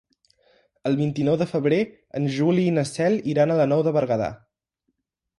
El vint-i-nou de febrer en Juli i na Cel iran a la Nou de Berguedà.